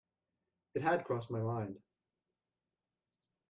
It had crossed my mind.